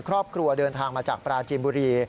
ครอบครัวเดินทางมาจากปราจีนบุรี